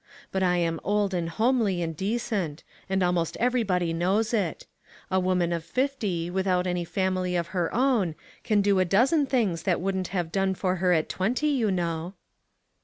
But I am old and homely and decent ; and almost everybody knows it. A woman of fifty, without any family of her own, can do a dozen things that wouldn't have done for her at twenty, you know."